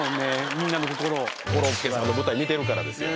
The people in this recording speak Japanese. みんなの心をコロッケさんの舞台見てるからですよ